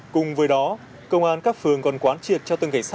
cùng với đó công an các phường còn quán triệt cho từng cảnh sát